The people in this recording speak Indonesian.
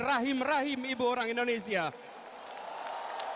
dan helpful kepada anak anak bangsa dari